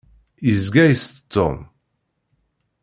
Yezga itett Tom.